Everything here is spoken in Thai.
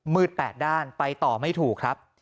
๘ด้านไปต่อไม่ถูกครับ